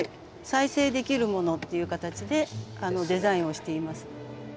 再生できるものっていう形でデザインをしています。